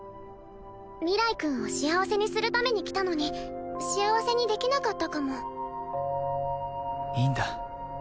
明日君を幸せにするために来たのに幸せにできなかったかもいいんだ